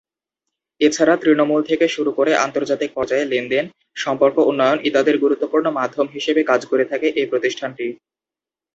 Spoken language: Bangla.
এছাড়া তৃণমূল থেকে শুরু করে আন্তর্জাতিক পর্যায়ে লেন-দেন, সম্পর্ক উন্নয়ন ইত্যাদির গুরুত্বপূর্ণ মাধ্যম হিসেবে কাজ করে থাকে এ প্রতিষ্ঠানটি।